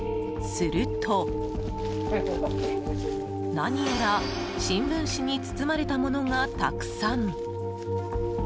すると、何やら新聞紙に包まれたものがたくさん。